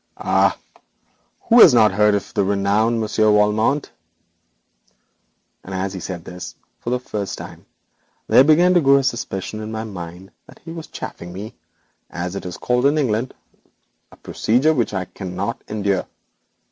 'Ah! who has not heard of the renowned Monsieur Valmont,' and as he said this, for the first time, there began to grow a suspicion in my mind that he was chaffing me, as it is called in England a procedure which I cannot endure.